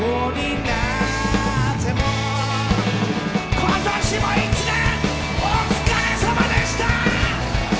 今年も１年、お疲れさまでした！